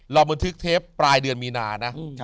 บันทึกเทปปลายเดือนมีนานะ